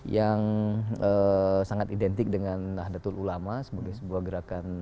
yang sangat identik dengan nahdlatul ulama sebagai sebuah gerakan